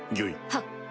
はっ。